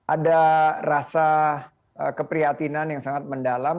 ada rasa keprihatinan yang sangat mendalam